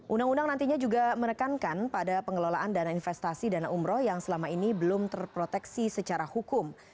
undang undang nantinya juga menekankan pada pengelolaan dana investasi dana umroh yang selama ini belum terproteksi secara hukum